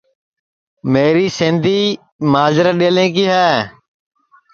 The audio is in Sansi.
میری سیندی ماجرے ڈؔیلیں کی ہے